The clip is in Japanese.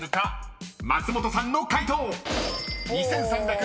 ［松本さんの解答］